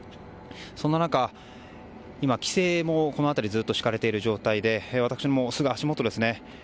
そんな中、規制もこの辺りずっと敷かれている状態で私のすぐ足元ですね